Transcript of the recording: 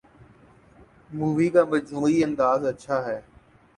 movie کا مجموعی انداز اچھا ہے